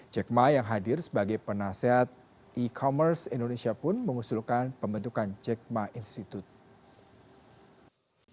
jack ma yang hadir sebagai penasehat e commerce indonesia pun mengusulkan pembentukan jack ma institute